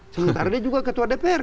sementara dia juga ketua dpr